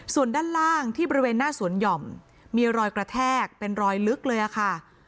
ส่วนด้านล่างที่บริเวณหน้าสวนหย่อมมีรอยกระแทกเป็นรอยลึกเลยค่ะ